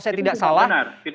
tidak tidak benar